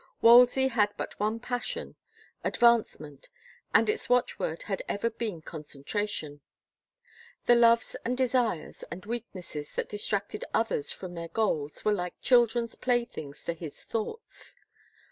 Wolsey had but one passion, advancement, and its watch word had ever been concentration. The loves and de sires and weaknesses that distracted others from their goals were like children's playthings to his thoughts.